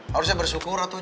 harusnya bersyukur atuh